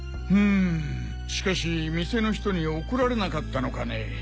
ウムしかし店の人に怒られなかったのかね？